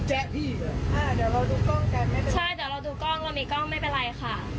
ใช่เดี๋ยวเราดูกล้องเรามีกล้องไม่เป็นไรค่ะ